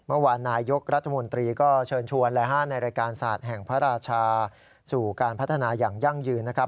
เมื่อวานนายยกรัฐมนตรีก็เชิญชวนในรายการศาสตร์แห่งพระราชาสู่การพัฒนาอย่างยั่งยืนนะครับ